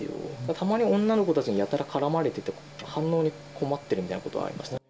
たまに女の子たちにやたら絡まれてて、反応に困ってるみたいなことはありました。